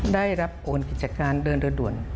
ได้รับโอนกิจการเดินเรือด่วน